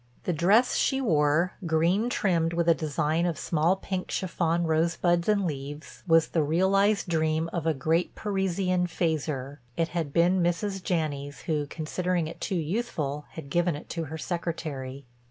The dress she wore, green trimmed with a design of small, pink chiffon rosebuds and leaves, was the realized dream of a great Parisian faiseur. It had been Mrs. Janney's who, considering it too youthful, had given it to her Secretary.